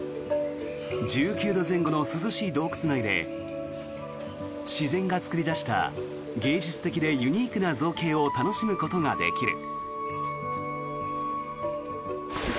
１９度前後の涼しい洞窟内で自然が作り出した芸術的でユニークな造形を楽しむことができる。